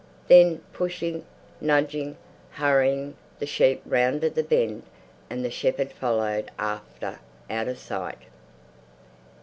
Then pushing, nudging, hurrying, the sheep rounded the bend and the shepherd followed after out of sight.